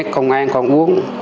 không ăn uống